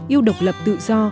yêu độc lập tự do